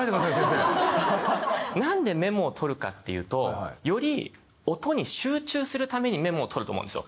なんでメモを取るかっていうとより音に集中するためにメモを取ると思うんですよ。